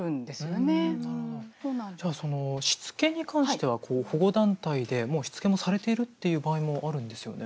じゃあしつけに関しては保護団体でもうしつけもされているっていう場合もあるんですよね？